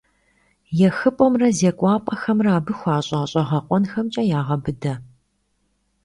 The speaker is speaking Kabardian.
ЕхыпӀэмрэ зекӀуапӀэхэмрэ абы хуэщӀа щӀэгъэкъуэнхэмкӀэ ягъэбыдэ.